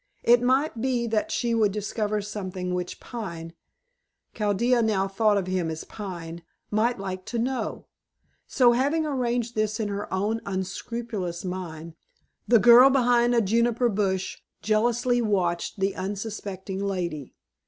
It might be that she would discover something which Pine Chaldea now thought of him as Pine might like to know. So having arranged this in her own unscrupulous mind, the girl behind a juniper bush jealously watched the unsuspecting lady.